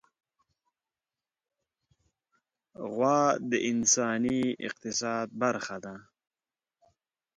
غوا د انساني اقتصاد برخه ده.